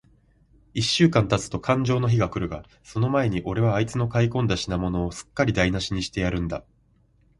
一週間たつとかんじょうの日が来るが、その前に、おれはあいつの買い込んだ品物を、すっかりだいなしにしてやるんだ。